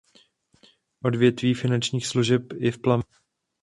Odvětví finančních služeb je v plamenech.